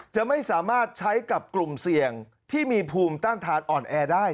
จะไม่สามารถใช้กับกลุ่มเสี่ยงที่มีภูมิต้านทานอ่อนแอได้